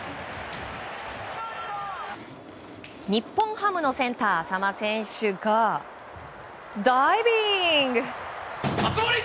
日本ハムのセンター、淺間選手がダイビング！